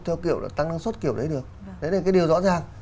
thế này cái điều rõ ràng